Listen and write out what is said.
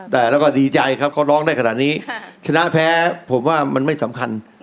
แต่แล้วก็ดีใจครับเขาร้องได้ขนาดนี้ชนะแพ้ผมว่ามันไม่สำคัญ